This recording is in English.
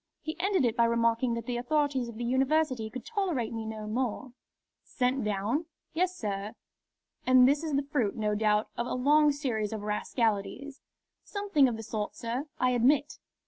He ended it by remarking that the authorities of the University could tolerate me no more." "Sent down?" "Yes, sir." "And this is the fruit, no doubt, of a long series of rascalities." "Something of the sort, sir, I admit."